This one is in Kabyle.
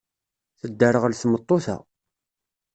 Tedderɣel tmeṭṭut-a.